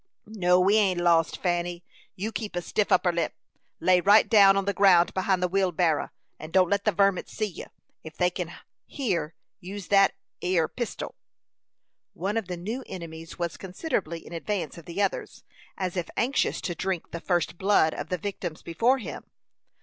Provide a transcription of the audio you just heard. "No, we ain't lost, Fanny. You keep a stiff upper lip. Lay right down on the ground, behind the wheelbarrer, and don't let the varmints see you. If they kim hyer, use that ere pistil." One of the new enemies was considerably in advance of the others, as if anxious to drink the first blood of the victims before him.